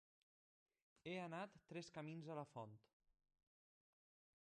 He anat tres camins a la font.